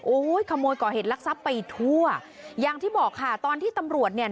โอ้โหขโมยก่อเหตุลักษัพไปทั่วอย่างที่บอกค่ะตอนที่ตำรวจเนี่ย